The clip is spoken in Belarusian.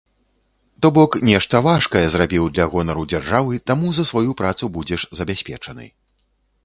То бок нешта важкае зрабіў для гонару дзяржавы, таму за сваю працу будзеш забяспечаны.